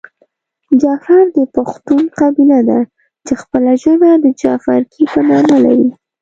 جعفر پښتون قبیله ده چې خپله ژبه د جعفرکي په نامه لري .